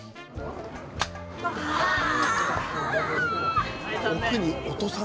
ああ。